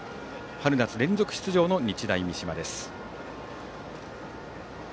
春夏連続出場の日大三島です。